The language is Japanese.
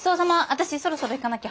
私そろそろ行かなきゃ。